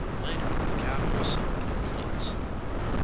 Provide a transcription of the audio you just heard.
Later the cap was sewn in pleats.